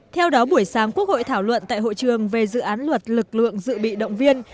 theo đó buổi sáng quốc hội thảo luận tại hội trường về dự án luật lực lượng dự bị động viên